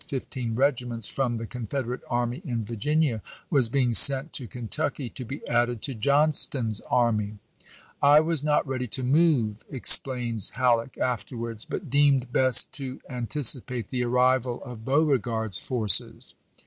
BiS fifteen regiments from the Confederate army in Vir i862!"'\y!'R. ginia, was being sent to Kentucky to be added to p.'sTi. ■' Johnston's army. "I was not ready to move," ex ^v K plains Halleck afterwards, " but deemed best to an i>p!*s87,"93. ticipate the arrival of Beauregard's forces."